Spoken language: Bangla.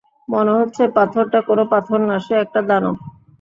মনে হচ্ছে পাথরটা কোনো পাথর না, সে একটা দানব।